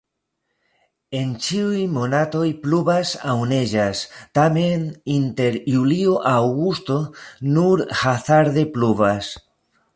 En ĉiuj monatoj pluvas aŭ neĝas, tamen inter julio-aŭgusto nur hazarde pluvas.